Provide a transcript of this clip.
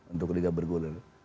untuk liga bergulir